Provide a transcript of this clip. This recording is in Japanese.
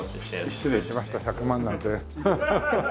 失礼しました１００万なんてハハハハ。